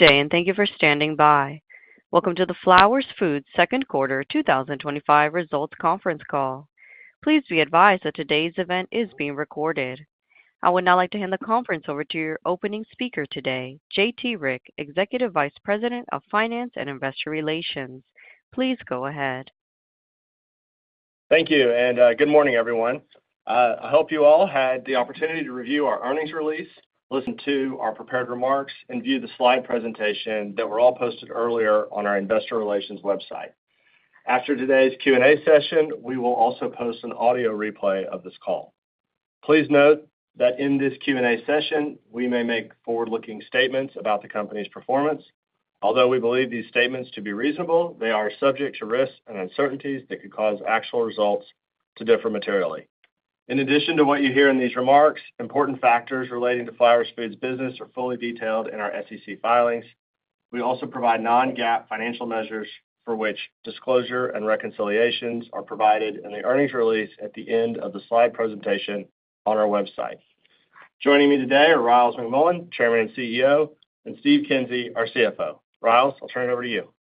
Today, and thank you for standing by. Welcome to the Flowers Foods' second quarter 2025 results conference call. Please be advised that today's event is being recorded. I would now like to hand the conference over to your opening speaker today, JT Rieck, Executive Vice President of Finance and Investor Relations. Please go ahead. Thank you, and good morning, everyone. I hope you all had the opportunity to review our earnings release, listen to our prepared remarks, and view the slide presentation that were all posted earlier on our Investor Relations website. After today's Q&A session, we will also post an audio replay of this call. Please note that in this Q&A session, we may make forward-looking statements about the company's performance. Although we believe these statements to be reasonable, they are subject to risks and uncertainties that could cause actual results to differ materially. In addition to what you hear in these remarks, important factors relating to Flowers Foods' business are fully detailed in our SEC filings. We also provide non-GAAP financial measures for which disclosure and reconciliations are provided in the earnings release at the end of the slide presentation on our website. Joining me today are Ryals McMullian, Chairman and CEO, and Steve Kinsey, our CFO. Ryals, I'll turn it over to you.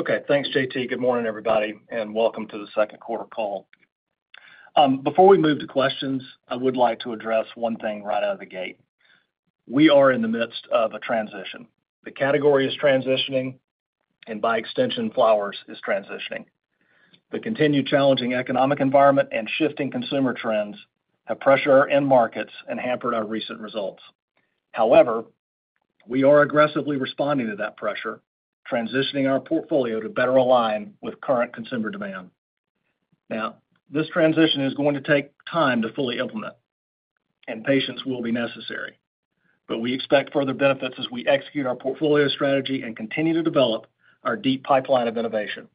Okay, thanks, JT. Good morning, everybody, and welcome to the second quarter call. Before we move to questions, I would like to address one thing right out of the gate. We are in the midst of a transition. The category is transitioning, and by extension, Flowers is transitioning. The continued challenging economic environment and shifting consumer trends have pressured our end markets and hampered our recent results. However, we are aggressively responding to that pressure, transitioning our portfolio to better align with current consumer demand. This transition is going to take time to fully implement, and patience will be necessary, but we expect further benefits as we execute our portfolio strategy and continue to develop our deep pipeline of innovation.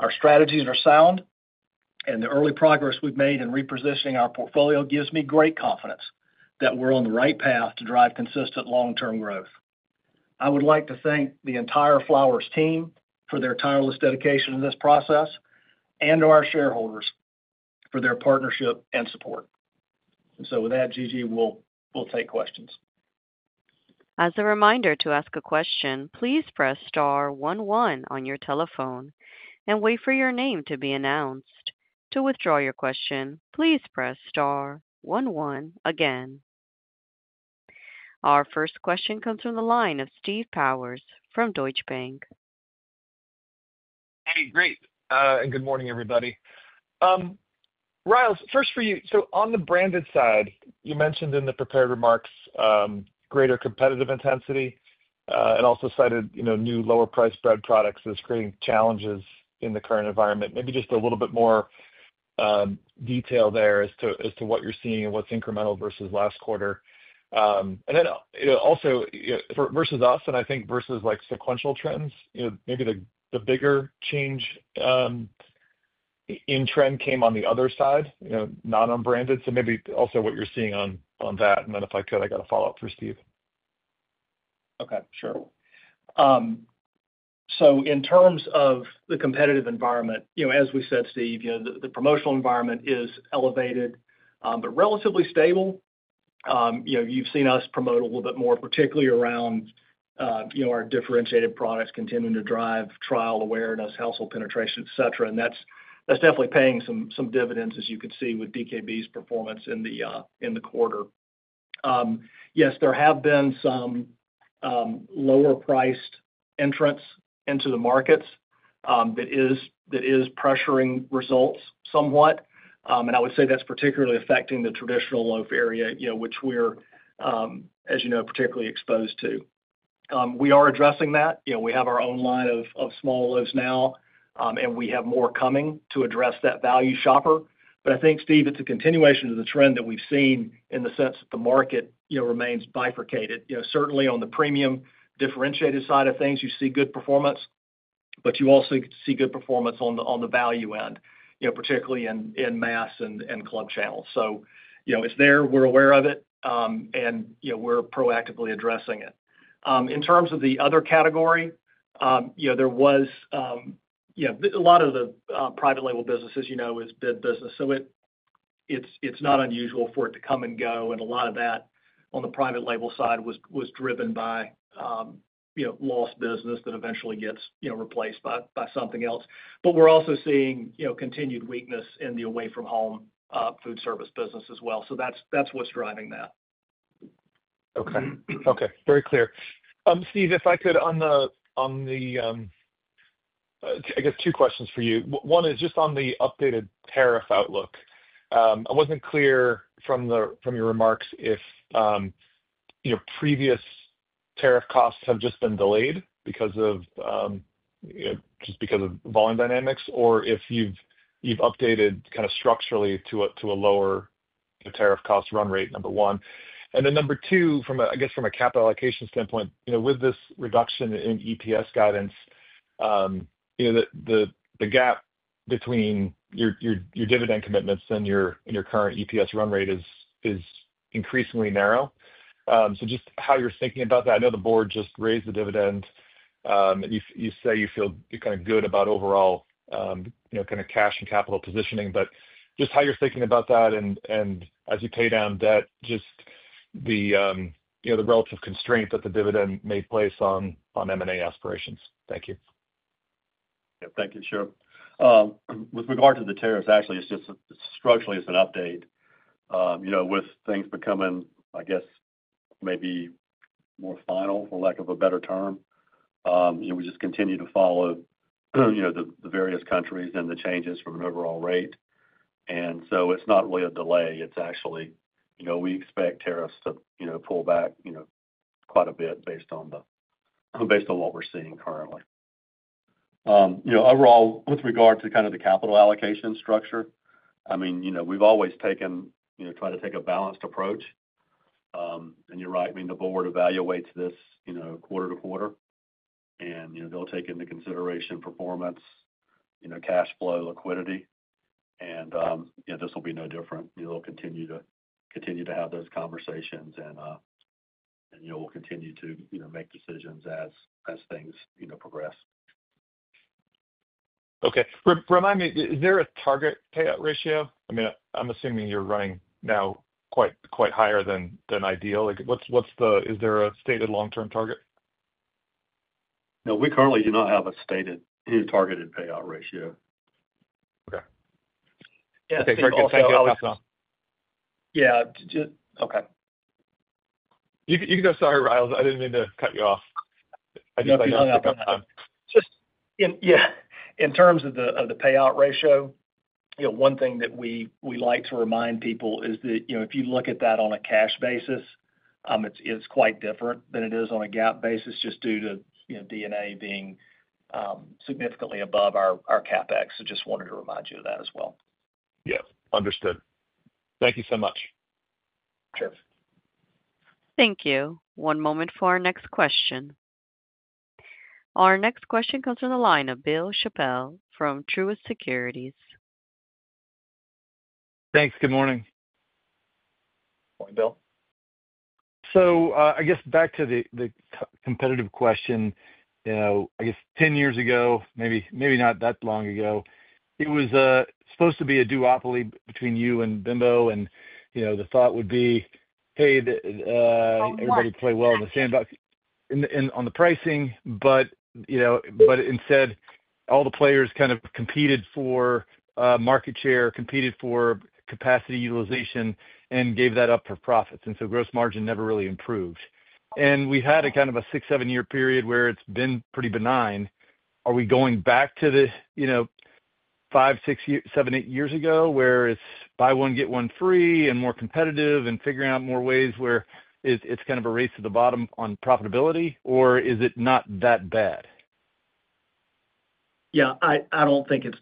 Our strategy and our sound, and the early progress we've made in repositioning our portfolio give me great confidence that we're on the right path to drive consistent long-term growth. I would like to thank the entire Flowers team for their tireless dedication to this process and our shareholders for their partnership and support. With that, Gigi, we'll take questions. As a reminder to ask a question, please press star one one on your telephone and wait for your name to be announced. To withdraw your question, please press star one one again. Our first question comes from the line of Steve Powers from Deutsche Bank. Hey, great, and good morning, everybody. Ryals, first for you. On the branded side, you mentioned in the prepared remarks greater competitive intensity and also cited new lower priced bread products as creating challenges in the current environment. Maybe just a little bit more detail there as to what you're seeing and what's incremental versus last quarter. Also, versus us, and I think versus sequential trends, maybe the bigger change in trend came on the other side, not on branded. Maybe also what you're seeing on that. If I could, I got a follow up for Steve. Okay, sure. In terms of the competitive environment, as we said, Steve, the promotional environment is elevated, but relatively stable. You've seen us promote a little bit more, particularly around our differentiated products continuing to drive trial awareness, household penetration, et cetera. That's definitely paying some dividends, as you could see with DKB's performance in the quarter. Yes, there have been some lower priced entrants into the markets that are pressuring results somewhat. I would say that's particularly affecting the traditional loaf area, which we're, as you know, particularly exposed to. We are addressing that. We have our own line of small loaves now, and we have more coming to address that value shopper. I think, Steve, it's a continuation of the trend that we've seen in the sense that the market remains bifurcated. Certainly on the premium differentiated side of things, you see good performance, but you also see good performance on the value end, particularly in mass and club channels. It's there, we're aware of it, and we're proactively addressing it. In terms of the other category, there was a lot of the private label businesses, it's bid business. It's not unusual for it to come and go. A lot of that on the private label side was driven by lost business that eventually gets replaced by something else. We're also seeing continued weakness in the away-from-home food service business as well. That's what's driving that. Okay, very clear. Steve, if I could, on the, I guess, two questions for you. One is just on the updated tariff outlook. I wasn't clear from your remarks if your previous tariff costs have just been delayed because of, just because of volume dynamics, or if you've updated kind of structurally to a lower tariff cost run rate, number one. Number two, from a, I guess, from a capital allocation standpoint, you know, with this reduction in EPS guidance, you know, the gap between your dividend commitments and your current EPS run rate is increasingly narrow. Just how you're thinking about that. I know the board just raised the dividend, and you say you feel kind of good about overall, you know, kind of cash and capital positioning, but just how you're thinking about that and as you pay down debt, just the, you know, the relative constraint that the dividend may place on M&A aspirations. Thank you. Yeah. Thank you, Steve. With regard to the tariffs, actually, it's just structurally, it's an update. With things becoming, I guess, maybe more final, for lack of a better term, we just continue to follow the various countries and the changes from an overall rate. It's not really a delay. We expect tariffs to pull back quite a bit based on what we're seeing currently. Overall, with regard to kind of the capital allocation structure, we've always tried to take a balanced approach. You're right. The board evaluates this quarter to quarter, and they'll take into consideration performance, cash flow, liquidity, and this will be no different. They'll continue to have those conversations, and we'll continue to make decisions as things progress. Okay. Remind me, is there a target payout ratio? I'm assuming you're running now quite, quite higher than ideal. What's the, is there a stated long-term target? No, we currently do not have a stated targeted payout ratio. Yeah, I think. Yeah. Okay, you can go. Sorry, Ryals. I didn't mean to cut you off. I just think. In terms of the payout ratio, one thing that we like to remind people is that if you look at that on a cash basis, it's quite different than it is on a GAAP basis just due to DNA being significantly above our CapEx. Just wanted to remind you of that as well. Yeah, understood. Thank you so much. Sure. Thank you. One moment for our next question. Our next question comes from the line of Bill Chappell from Truist Securities. Thanks. Good morning. Morning, Bill. I guess back to the competitive question, you know, I guess 10 years ago, maybe not that long ago, it was supposed to be a duopoly between you and Bimbo, and you know, the thought would be, hey, everybody play well in the sandbox and on the pricing, but instead, all the players kind of competed for market share, competed for capacity utilization, and gave that up for profits. Gross margin never really improved. We've had a kind of a six, seven-year period where it's been pretty benign. Are we going back to the, you know, five, six, seven, eight years ago where it's buy one, get one free, and more competitive and figuring out more ways where it's kind of a race to the bottom on profitability, or is it not that bad? Yeah, I don't think it's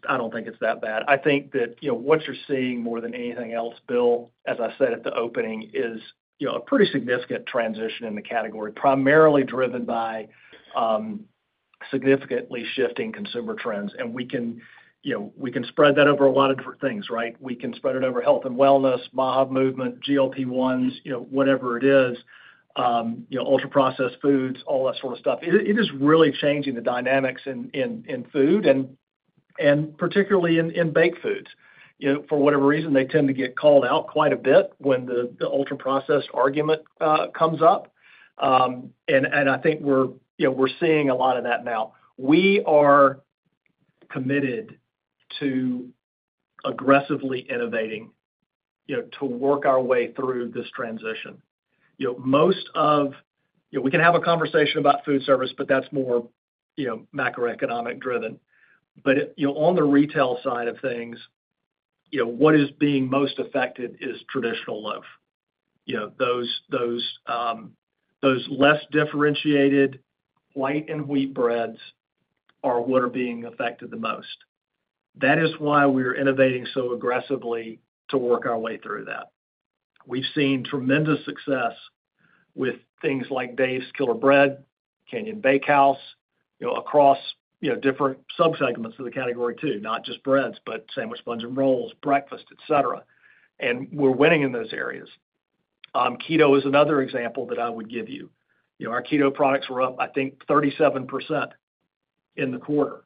that bad. I think that, you know, what you're seeing more than anything else, Bill, as I said at the opening, is a pretty significant transition in the category, primarily driven by significantly shifting consumer trends. We can spread that over a lot of different things, right? We can spread it over health and wellness, MAHA movement, GLP-1s, whatever it is, ultra-processed foods, all that sort of stuff. It is really changing the dynamics in food and particularly in baked foods. For whatever reason, they tend to get called out quite a bit when the ultra-processed argument comes up. I think we're seeing a lot of that now. We are committed to aggressively innovating to work our way through this transition. Most of, you know, we can have a conversation about food service, but that's more macroeconomic driven. On the retail side of things, what is being most affected is traditional loaf. Those less differentiated white and wheat breads are what are being affected the most. That is why we are innovating so aggressively to work our way through that. We've seen tremendous success with things like Dave's Killer Bread, Canyon Bakehouse, across different subsegments of the category too, not just breads, but sandwich, sponge, and rolls, breakfast, et cetera. We're winning in those areas. Keto is another example that I would give you. Our keto products were up, I think, 37% in the quarter.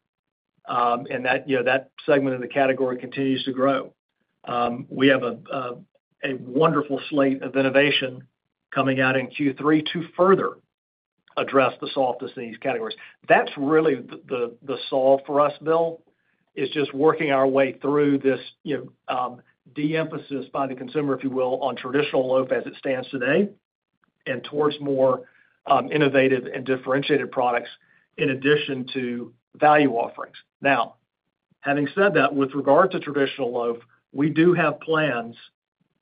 That segment of the category continues to grow. We have a wonderful slate of innovation coming out in Q3 to further address the softness in these categories. That's really the solve for us, Bill, is just working our way through this de-emphasis by the consumer, if you will, on traditional loaf as it stands today and towards more innovative and differentiated products in addition to value offerings. Now, having said that, with regard to traditional loaf, we do have plans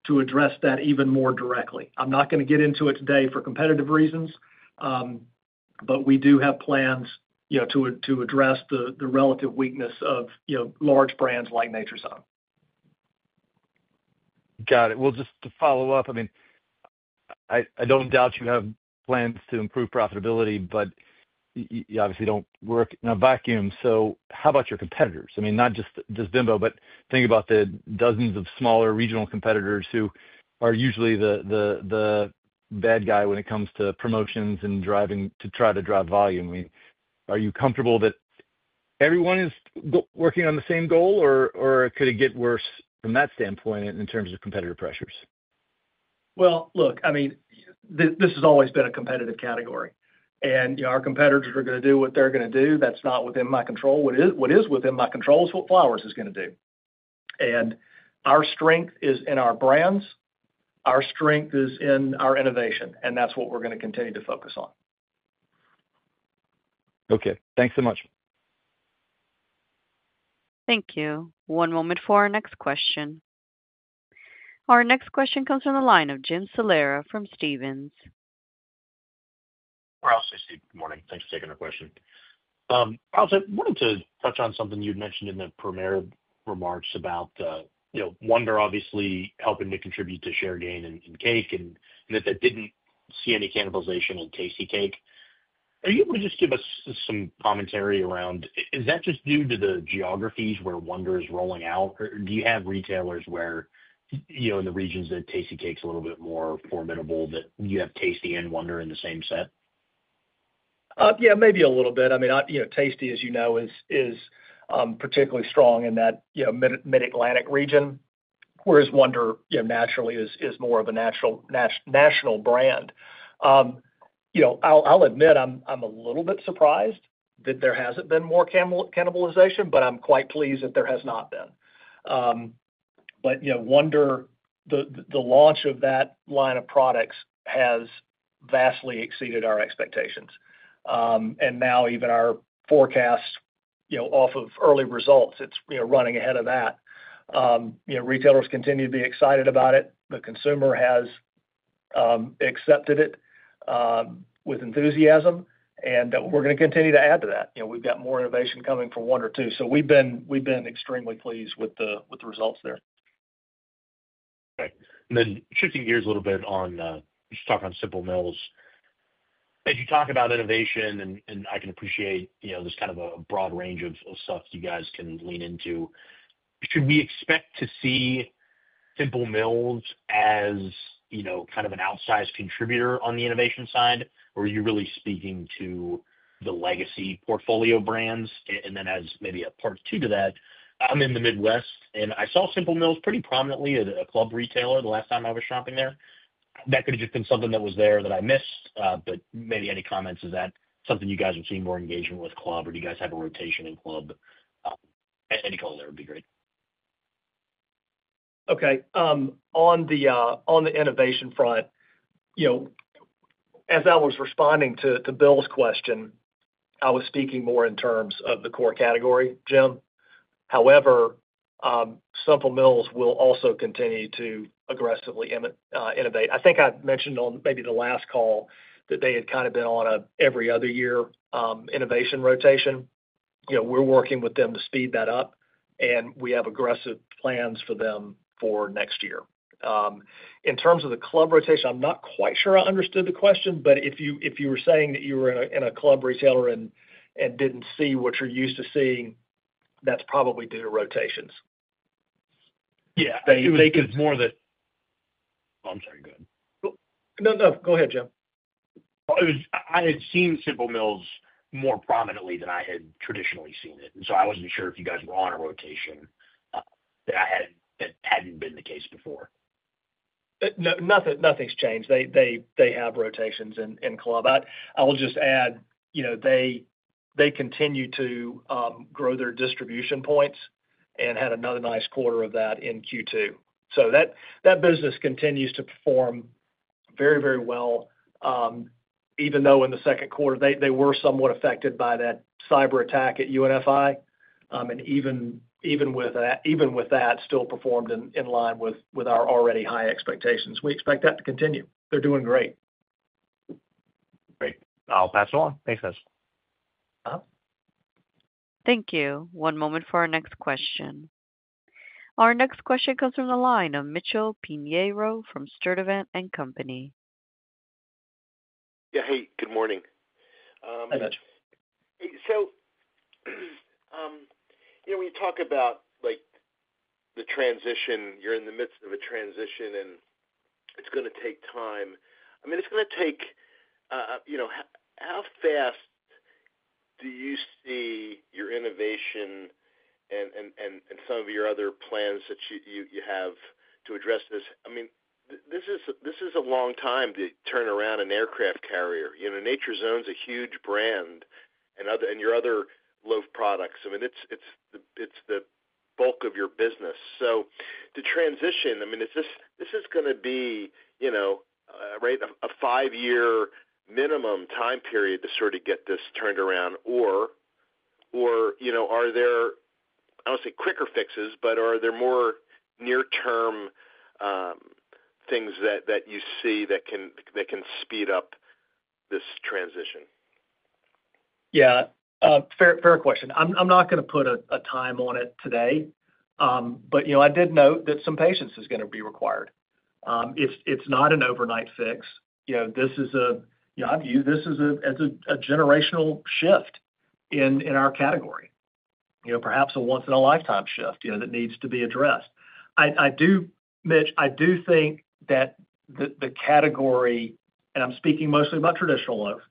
to address that even more directly. I'm not going to get into it today for competitive reasons, but we do have plans to address the relative weakness of large brands like Nature's Own. Got it. Just to follow up, I mean, I don't doubt you have plans to improve profitability, but you obviously don't work in a vacuum. How about your competitors? I mean, not just Bimbo, but think about the dozens of smaller regional competitors who are usually the bad guy when it comes to promotions and trying to drive volume. I mean, are you comfortable that everyone is working on the same goal, or could it get worse from that standpoint in terms of competitive pressures? I mean, this has always been a competitive category. You know, our competitors are going to do what they're going to do. That's not within my control. What is within my control is what Flowers is going to do. Our strength is in our brands. Our strength is in our innovation. That's what we're going to continue to focus on. Okay, thanks so much. Thank you. One moment for our next question. Our next question comes from the line of Jim Salera from Stephens. Ryals, hey, Steve. Good morning. Thanks for taking our question. I wanted to touch on something you'd mentioned in the premier remarks about Wonder, obviously helping to contribute to share gain in cake, and that that didn't see any cannibalization in TastyKake. Are you able to just give us some commentary around, is that just due to the geographies where Wonder is rolling out? Or do you have retailers where, you know, in the regions that TastyKake's a little bit more formidable, that you have Tasty and Wonder in the same set? Yeah, maybe a little bit. I mean, you know, TastyKake, as you know, is particularly strong in that, you know, Mid-Atlantic region, whereas Wonder, you know, nationally is more of a national brand. I'll admit I'm a little bit surprised that there hasn't been more cannibalization, but I'm quite pleased that there has not been. You know, Wonder, the launch of that line of products has vastly exceeded our expectations. Now even our forecasts, you know, off of early results, it's, you know, running ahead of that. Retailers continue to be excited about it. The consumer has accepted it with enthusiasm, and we're going to continue to add to that. We've got more innovation coming for Wonder too. We have been extremely pleased with the results there. Okay. Shifting gears a little bit, let's talk on Simple Mills. As you talk about innovation, and I can appreciate, you know, this kind of a broad range of stuff you guys can lean into, should we expect to see Simple Mills as, you know, kind of an outsized contributor on the innovation side, or are you really speaking to the legacy portfolio brands? As maybe a part two to that, I'm in the Midwest, and I saw Simple Mills pretty prominently as a club retailer the last time I was shopping there. That could have just been something that was there that I missed, but maybe any comments, is that something you guys are seeing more engagement with club, or do you guys have a rotation in club? Any color there would be great. Okay. On the innovation front, as I was responding to Bill's question, I was speaking more in terms of the core category, Jim. However, Simple Mills will also continue to aggressively innovate. I think I mentioned on maybe the last call that they had kind of been on an every other year innovation rotation. We're working with them to speed that up, and we have aggressive plans for them for next year. In terms of the club rotation, I'm not quite sure I understood the question, but if you were saying that you were in a club retailer and didn't see what you're used to seeing, that's probably due to rotations. Yeah, I think it's more that—oh, I'm sorry. Go ahead. No, go ahead, Jim. I had seen Simple Mills more prominently than I had traditionally seen it. I wasn't sure if you guys were on a rotation that hadn't been the case before. No, nothing's changed. They have rotations in club. I'll just add, you know, they continue to grow their distribution points and had another nice quarter of that in Q2. That business continues to perform very, very well, even though in the second quarter, they were somewhat affected by that cyber attack at UNFI. Even with that, still performed in line with our already high expectations. We expect that to continue. They're doing great. Great. I'll pass it on. Thanks, guys. Thank you. One moment for our next question. Our next question comes from the line of Mitchell Piñeiro from Sturdivant & Company. Yeah, hey, good morning. Hi, Mitchell. When you talk about the transition, you're in the midst of a transition and it's going to take time. It's going to take, you know, how fast do you see your innovation and some of your other plans that you have to address this? This is a long time to turn around an aircraft carrier. Nature's Own is a huge brand and your other loaf products, it's the bulk of your business. To transition, is this going to be, right, a five-year minimum time period to sort of get this turned around? Are there, I don't want to say quicker fixes, but are there more near-term things that you see that can speed up this transition? Yeah, fair question. I'm not going to put a time on it today. I did note that some patience is going to be required. It's not an overnight fix. I view this as a generational shift in our category, perhaps a once-in-a-lifetime shift that needs to be addressed. I do, Mitch, I do think that the category, and I'm speaking mostly about traditional loaf,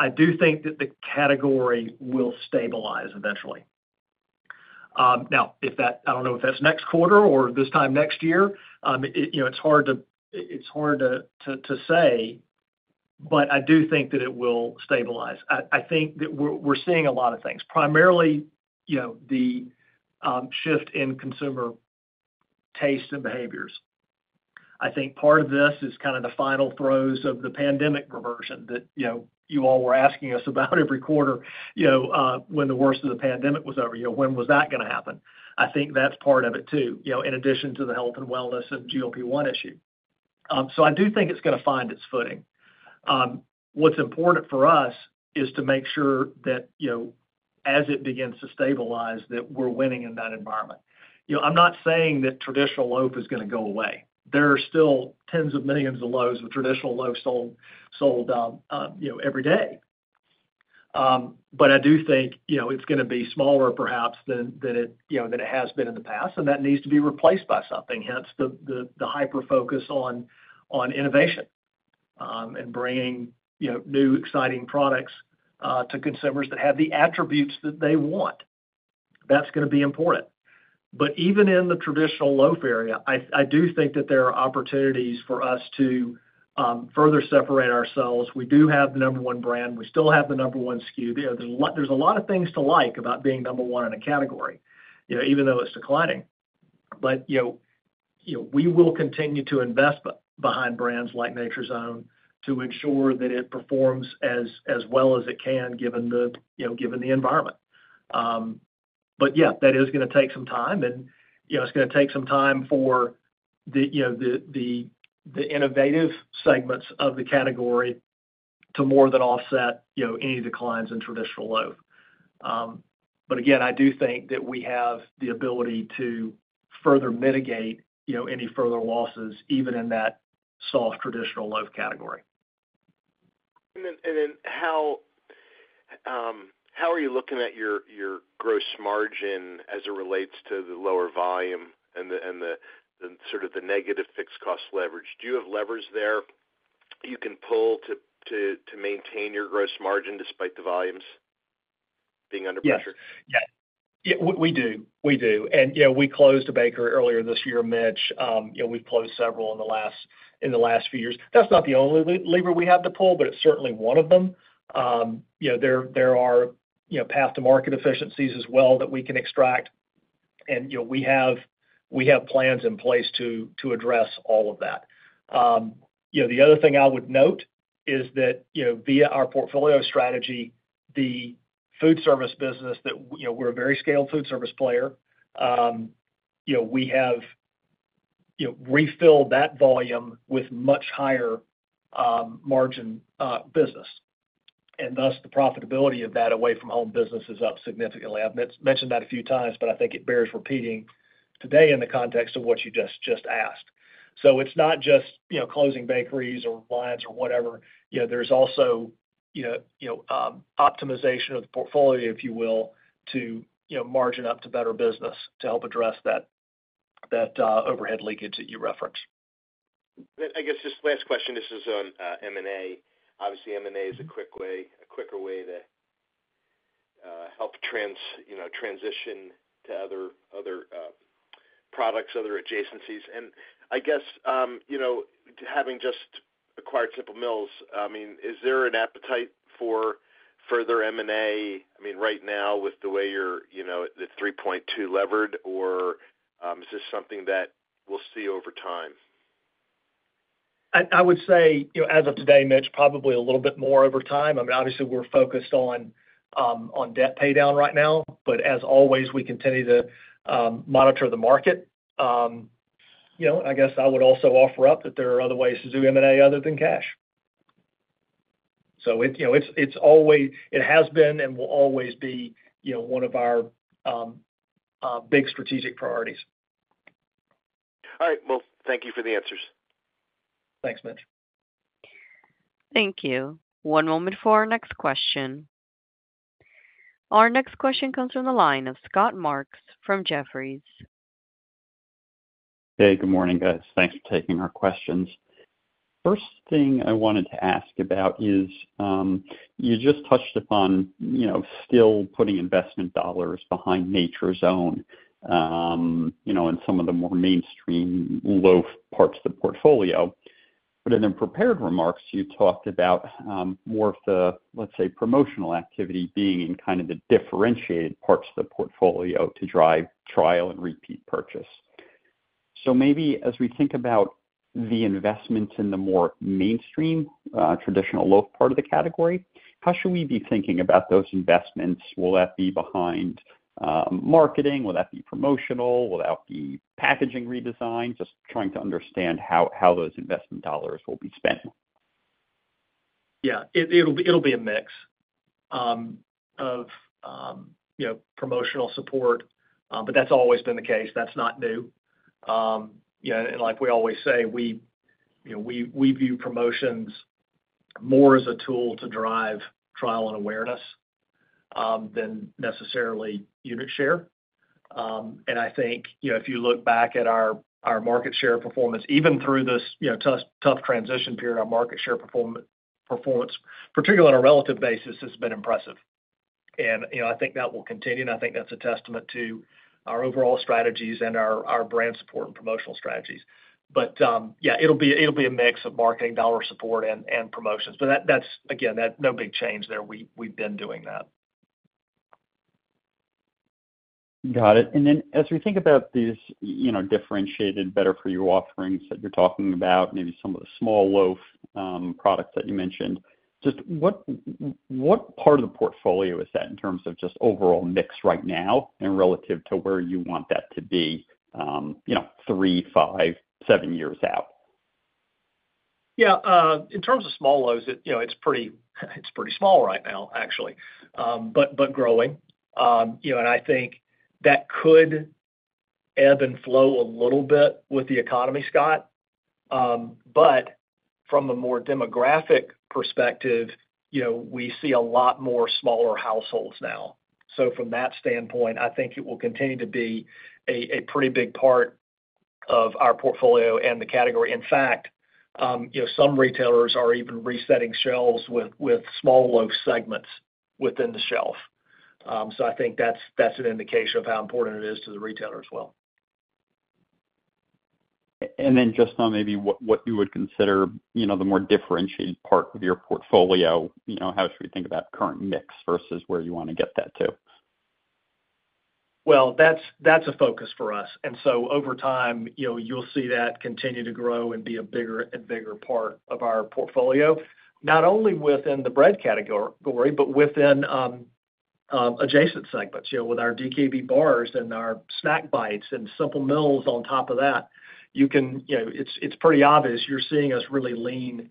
I do think that the category will stabilize eventually. Now, if that, I don't know if that's next quarter or this time next year, it's hard to say, but I do think that it will stabilize. I think that we're seeing a lot of things, primarily the shift in consumer tastes and behaviors. I think part of this is kind of the final throes of the pandemic reversion that you all were asking us about every quarter, when the worst of the pandemic was over. When was that going to happen? I think that's part of it too, in addition to the health and wellness and GLP-1 issue. I do think it's going to find its footing. What's important for us is to make sure that, as it begins to stabilize, we're winning in that environment. I'm not saying that traditional loaf is going to go away. There are still tens of millions of loaves of traditional loaf sold every day. I do think it's going to be smaller perhaps than it has been in the past, and that needs to be replaced by something, hence the hyper-focus on innovation and bringing new exciting products to consumers that have the attributes that they want. That's going to be important. Even in the traditional loaf area, I do think that there are opportunities for us to further separate ourselves. We do have the number one brand. We still have the number one SKU. There's a lot of things to like about being number one in a category, even though it's declining. We will continue to invest behind brands like Nature's Own to ensure that it performs as well as it can, given the environment. That is going to take some time, and it's going to take some time for the innovative segments of the category to more than offset any declines in traditional loaf. Again, I do think that we have the ability to further mitigate any further losses, even in that soft traditional loaf category. How are you looking at your gross margin as it relates to the lower volume and the sort of the negative fixed cost leverage? Do you have levers there that you can pull to maintain your gross margin despite the volumes being under pressure? Yeah, we do. And you know, we closed a bakery earlier this year, Mitch. We've closed several in the last few years. That's not the only lever we have to pull, but it's certainly one of them. There are past-to-market efficiencies as well that we can extract. We have plans in place to address all of that. The other thing I would note is that, via our portfolio strategy, the food service business that, you know, we're a very scaled food service player. We have refilled that volume with much higher margin business. Thus, the profitability of that away-from-home business is up significantly. I've mentioned that a few times, but I think it bears repeating today in the context of what you just asked. It's not just closing bakeries or lines or whatever. There's also optimization of the portfolio, if you will, to margin up to better business to help address that overhead leakage that you referenced. I guess just the last question. This is on M&A. Obviously, M&A is a quick way, a quicker way to help transition to other products, other adjacencies. Having just acquired Simple Mills, is there an appetite for further M&A right now with the way you're, you know, the 3.2 levered, or is this something that we'll see over time? I would say, as of today, Mitch, probably a little bit more over time. Obviously, we're focused on debt paydown right now, but as always, we continue to monitor the market. I would also offer up that there are other ways to do M&A other than cash. It's always, it has been and will always be, one of our big strategic priorities. All right. Thank you for the answers. Thanks, Mitch. Thank you. One moment for our next question. Our next question comes from the line of Scott Marks from Jefferies. Hey, good morning, guys. Thanks for taking our questions. First thing I wanted to ask about is, you just touched upon, you know, still putting investment dollars behind Nature's Own, you know, in some of the more mainstream loaf parts of the portfolio. In the prepared remarks, you talked about more of the, let's say, promotional activity being in kind of the differentiated parts of the portfolio to drive trial and repeat purchase. Maybe as we think about the investments in the more mainstream, traditional loaf part of the category, how should we be thinking about those investments? Will that be behind marketing? Will that be promotional? Will that be packaging redesign? Just trying to understand how those investment dollars will be spent. Yeah, it'll be a mix of, you know, promotional support, but that's always been the case. That's not new. Like we always say, we, you know, we view promotions more as a tool to drive trial and awareness than necessarily unit share. I think, you know, if you look back at our market share performance, even through this, you know, tough transition period, our market share performance, particularly on a relative basis, has been impressive. I think that will continue, and I think that's a testament to our overall strategies and our brand support and promotional strategies. Yeah, it'll be a mix of marketing dollar support and promotions. That's, again, that's no big change there. We've been doing that. Got it. As we think about these differentiated better-for-you offerings that you're talking about, maybe some of the small loaf products that you mentioned, what part of the portfolio is that in terms of overall mix right now and relative to where you want that to be three, five, seven years out? Yeah, in terms of small loaves, it's pretty small right now, actually, but growing. I think that could ebb and flow a little bit with the economy, Scott. From a more demographic perspective, we see a lot more smaller households now. From that standpoint, I think it will continue to be a pretty big part of our portfolio and the category. In fact, some retailers are even resetting shelves with small loaf segments within the shelf. I think that's an indication of how important it is to the retailer as well. Just on maybe what you would consider, you know, the more differentiated part of your portfolio, how should we think about current mix versus where you want to get that to? That is a focus for us. Over time, you know, you'll see that continue to grow and be a bigger and bigger part of our portfolio, not only within the bread category, but within adjacent segments, you know, with our DKB Protein Bars and our DKB Snack Bites and Simple Mills on top of that. You can, you know, it's pretty obvious you're seeing us really lean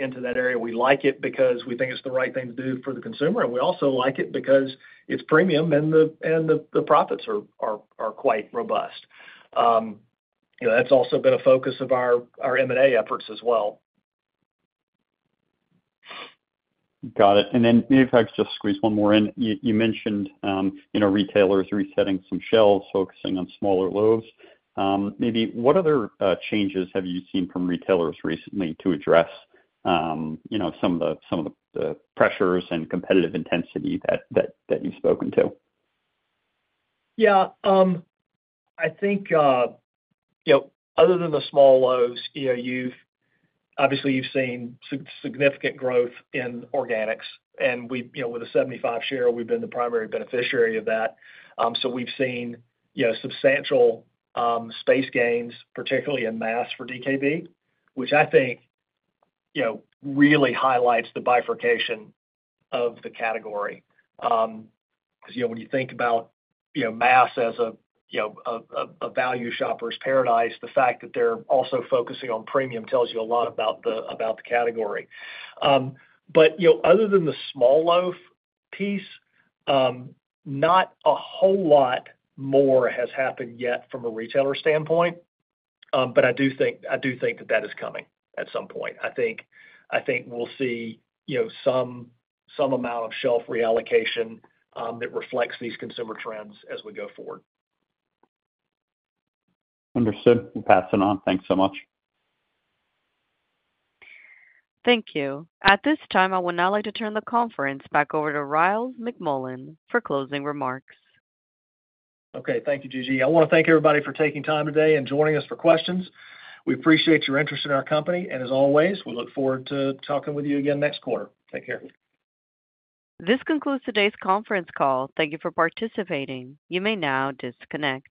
into that area. We like it because we think it's the right thing to do for the consumer. We also like it because it's premium and the profits are quite robust. You know, that's also been a focus of our M&A efforts as well. Got it. Maybe if I could just squeeze one more in, you mentioned retailers resetting some shelves, focusing on smaller loaves. Maybe what other changes have you seen from retailers recently to address some of the pressures and competitive intensity that you've spoken to? Yeah, I think, other than the small loaves, you've obviously seen significant growth in organics. We, with a 75% share, have been the primary beneficiary of that. We've seen substantial space gains, particularly in mass for Dave's Killer Bread, which I think really highlights the bifurcation of the category. When you think about mass as a value shopper's paradise, the fact that they're also focusing on premium tells you a lot about the category. Other than the small loaf piece, not a whole lot more has happened yet from a retailer standpoint. I do think that is coming at some point. I think we'll see some amount of shelf reallocation that reflects these consumer trends as we go forward. Understood. I'll pass it on. Thanks so much. Thank you. At this time, I would now like to turn the conference back over to Ryals McMullian for closing remarks. Okay. Thank you, Gigi. I want to thank everybody for taking time today and joining us for questions. We appreciate your interest in our company. As always, we look forward to talking with you again next quarter. Take care. This concludes today's conference call. Thank you for participating. You may now disconnect.